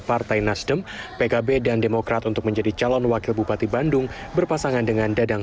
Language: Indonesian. partai nasdem pkb dan demokrat untuk menjadi calon wakil bupati bandung berpasangan dengan dadang